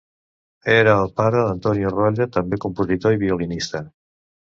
Era el pare d'Antonio Rolla també compositor i violinista.